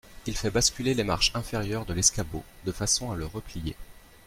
Il fait basculer les marches inférieures de l’escabeau, de façon à le replier.